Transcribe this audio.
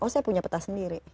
oh saya punya peta sendiri